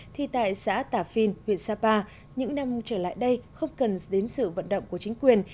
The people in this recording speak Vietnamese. thì tại xã tả phin huyện sapa những năm trở lại đây không cần đến sự vận động của chính quyền